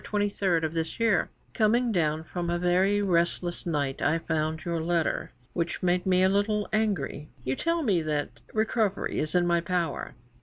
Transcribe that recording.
23 of this year: '"Coming down from a very restless night I found your letter, which made me a little angry. You tell me that recovery is in my power.